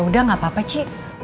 ya udah gak apa apa ci